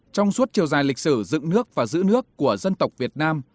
trong suốt chiều dài lịch sử dựng nước và giữ nước của dân tộc việt nam